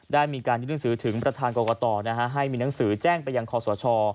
ได้มีการยื่นหนังสือถึงประธานกรกตให้มีหนังสือแจ้งไปยังคอสช